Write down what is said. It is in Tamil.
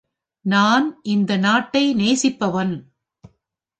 நான் இந்த நாட்டை நேசிப்பவன்.